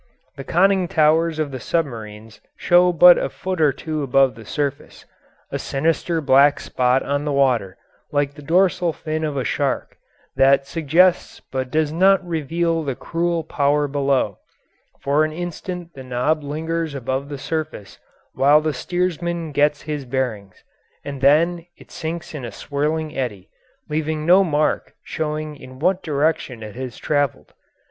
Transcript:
The conning towers of the submarines show but a foot or two above the surface a sinister black spot on the water, like the dorsal fin of a shark, that suggests but does not reveal the cruel power below; for an instant the knob lingers above the surface while the steersman gets his bearings, and then it sinks in a swirling eddy, leaving no mark showing in what direction it has travelled.